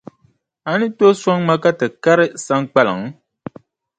A ni tooi sɔŋ ma ka ti kari Saŋkpaliŋ?